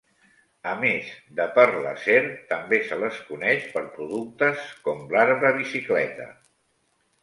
A més de per l'acer, també se les coneix per productes com l'arbre bicicleta.